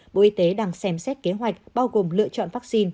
bộ y tế đang xem xét kế hoạch bao gồm lựa chọn vaccine